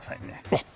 えっ？